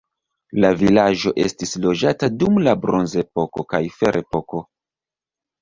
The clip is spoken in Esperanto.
La vilaĝo estis loĝata dum la bronzepoko kaj ferepoko.